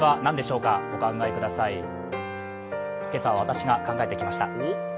今朝は私が考えてきました。